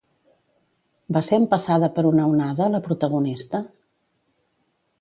Va ser empassada per una onada, la protagonista?